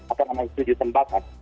akan ada tujuh tembakan